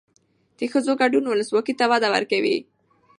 د ښځو ګډون ولسواکۍ ته وده ورکوي.